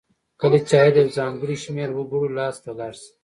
کله چې عاید یو ځانګړي شمیر وګړو لاس ته لاړ شي.